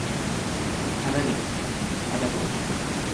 Kana miti, sana fidi.